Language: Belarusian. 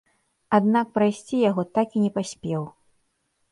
Аднак прайсці яго так і не паспеў.